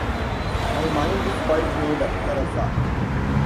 My mind is quite made up, Theresa.